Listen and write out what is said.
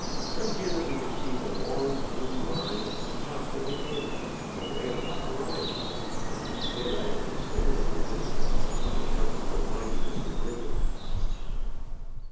From here we could see the long, blue line of the tops of the Andes away on the horizon, but still at a considerable distance, on account of the winding of the river.